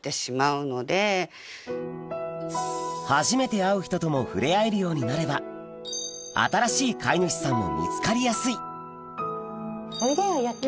初めて会う人とも触れ合えるようになれば新しい飼い主さんも見つかりやすいおいでよ良。